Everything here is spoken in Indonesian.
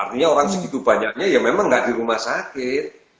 artinya orang segitu banyaknya ya memang nggak di rumah sakit